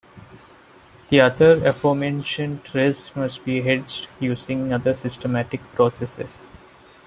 The other, aforementioned risks must be hedged using other systematic processes.